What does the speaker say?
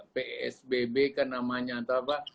psbb kan namanya atau apa